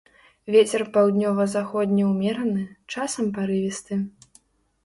Вецер паўднёва-заходні ўмераны, часам парывісты.